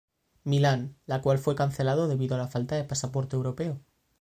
Milan, la cual fue cancelado debido a la falta de pasaporte europeo.